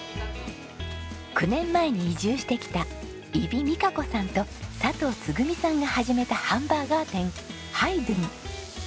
９年前に移住してきた伊比美香子さんと佐藤つぐみさんが始めたハンバーガー店Ｈｙｄｕｎｅ。